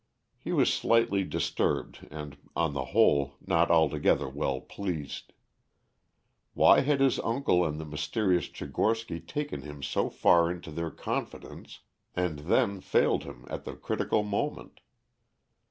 He was slightly disturbed and, on the whole, not altogether well pleased. Why had his uncle and the mysterious Tchigorsky taken him so far into their confidence and then failed him at the critical moment?